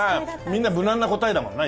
みんな無難な答えだもんな